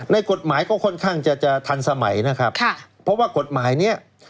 ในกฎหมายก็ค่อนข้างจะจะทันสมัยนะครับค่ะเพราะว่ากฎหมายเนี้ย